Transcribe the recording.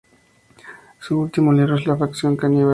Su último libro es "La Facción Caníbal.